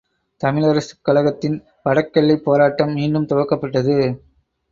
தமிழரசுக் கழகத்தின் வடக்கெல்லைப்போராட்டம் மீண்டும் துவக்கப்பட்டது.